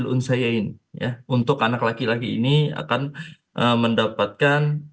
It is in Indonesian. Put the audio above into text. untuk anak laki laki ini akan mendapatkan